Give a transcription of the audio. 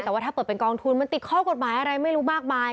แต่ว่าถ้าเปิดเป็นกองทุนมันติดข้อกฎหมายอะไรไม่รู้มากมาย